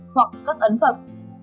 hoặc các ấn phẩm